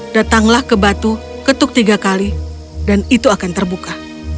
datanglah ke batu ketuk tiga kali dan itu akan terbuka